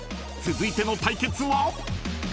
［続いての対決は］